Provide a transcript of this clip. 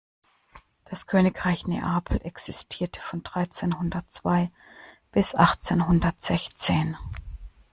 Das Königreich Neapel existierte von dreizehnhundertzwei bis achtzehnhundertsechzehn.